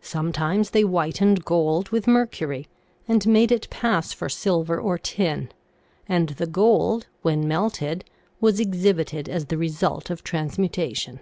Sometimes they whitened gold with mercury and made it pass for silver or tin, and the gold when melted was exhibited as the result of transmutation.